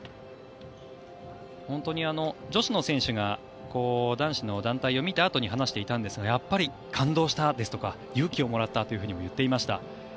本当に女子の選手が男子の団体を見たあとに話していたんですが、やっぱり感動したですとか勇気をもらったとも言っていました。